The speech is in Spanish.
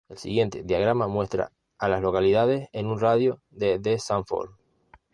El siguiente diagrama muestra a las localidades en un radio de de Sanford.